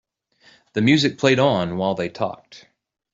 The music played on while they talked.